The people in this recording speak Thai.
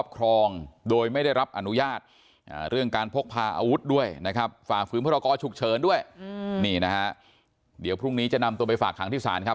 เขาก็ไปขมากันขมาศพกัน